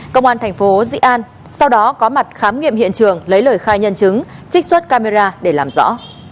công an tp dĩ an sau đó có mặt khám nghiệm hiện trường lấy lời khai nhân chứng trích xuất camera để làm rõ